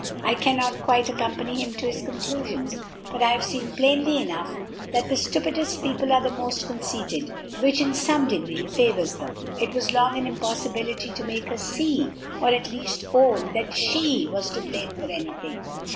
I cannot quite accompany him to his conclusions; but I have seen plainly enough that the stupidest people are the most conceited, which in some degree favors them. It was long an impossibility to make her see, or at least own, that she was to blame for any thing.